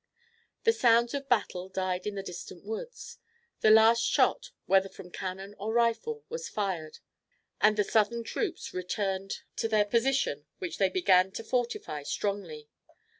The sounds of battle died in the distant woods. The last shot, whether from cannon or rifle, was fired, and the Southern troops returned to their positions, which they began to fortify strongly.